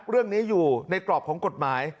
เรื่องนี้อยู่ในกรอบของกฎหมาย